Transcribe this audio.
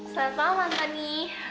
selamat malam antoni